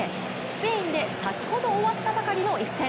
スペインで先ほど終わったばかりの一戦。